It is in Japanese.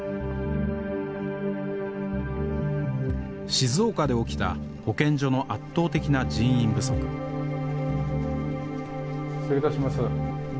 静岡で起きた保健所の圧倒的な人員不足失礼いたします。